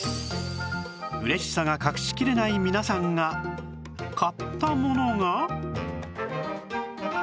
嬉しさが隠しきれない皆さんが買ったものが